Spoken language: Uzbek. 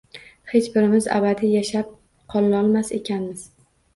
Hech birimiz abadiy yashab qololmas ekanmiz.